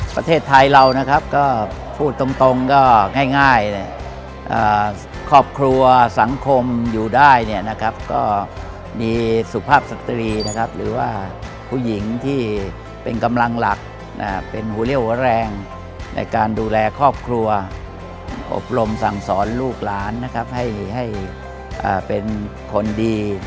ประเทศไทยเราก็พูดตรงง่ายครอบครัวสังคมอยู่ได้มีสุขภาพสตรีหรือว่าผู้หญิงที่เป็นกำลังหลักเป็นหูเลี่ยวหัวแรงในการดูแลครอบครัวอบรมสั่งสอนลูกหลานให้เป็นคนดี